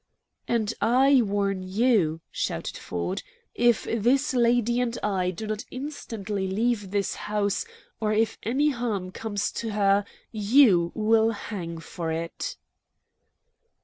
"And I warn you," shouted Ford, "if this lady and I do not instantly leave this house, or if any harm comes to her, you will hang for it!"